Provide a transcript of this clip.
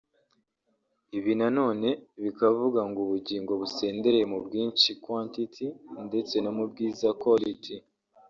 Ibi na none bikavuga ngo ubugingo busendereye mu bwinshi (quantity) ndetse no mu bwiza (quality)